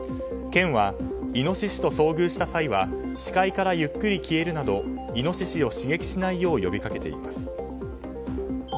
県は、イノシシと遭遇した際は視界からゆっくり消えるなどイノシシを刺激しないよう呼びかけています。